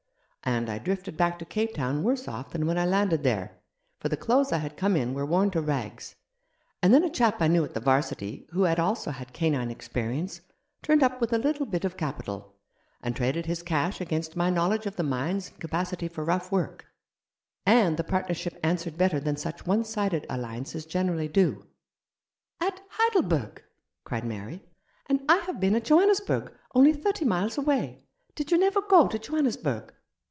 And I drifted back to Cape Town worse off than when I landed there, for the clothes I had come in were worn to rags, and then a chap I knew at the 'Varsity, who had also had canine experience, turned up with a little bit of capital, and traded his cash against my 4 " How should I greet Thee ?" knowledge of the mines and capacity for rough work, and the partnership answered better than such one sided alliances generally do." "At Heidelberg?" cried Mary. "And I have been at Johannesburg, only thirty miles away. Did you never go to Johannesburg